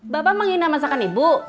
bapak menghina masakan ibu